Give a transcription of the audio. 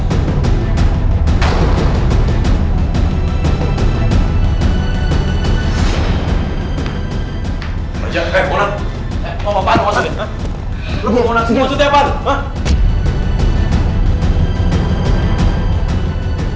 lo mau mona di sini mau sakit apaan